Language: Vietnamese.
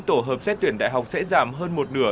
tổ hợp xét tuyển đại học sẽ giảm hơn một nửa